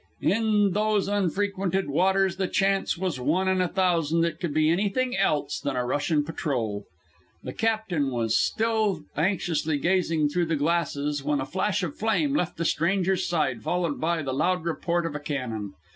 In those unfrequented waters the chance was one in a thousand that it could be anything else than a Russian patrol. The captain was still anxiously gazing through the glasses, when a flash of flame left the stranger's side, followed by the loud report of a cannon.